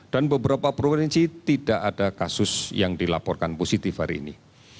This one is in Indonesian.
dan beberapa provinsi tidak ada kasus yang dilaporkan positif hari ini